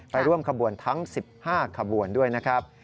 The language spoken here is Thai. ร่วมขบวนทั้ง๑๕ขบวนด้วยนะครับ